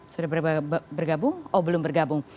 sudah bergabung oh belum bergabung